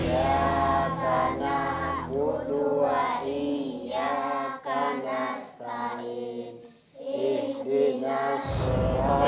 ia kanak buduai ia kanak sa'i ikhlinasya allah